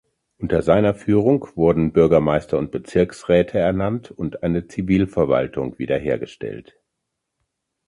Unter seiner Führung wurden Bürgermeister und Bezirksräte ernannt und eine Zivilverwaltung wiederhergestellt.